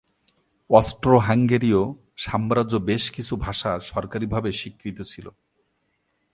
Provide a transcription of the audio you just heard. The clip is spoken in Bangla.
অস্ট্রো-হাঙ্গেরীয় সাম্রাজ্য বেশ কিছু ভাষা সরকারিভাবে স্বীকৃত ছিল।